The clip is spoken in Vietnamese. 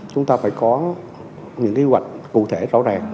chúng ta phải có những kế hoạch cụ thể rõ ràng